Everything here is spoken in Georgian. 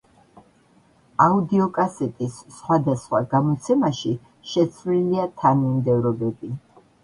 აუდიოკასეტის სხვადასხვა გამოცემაში შეცვლილია თანმიმდევრობები.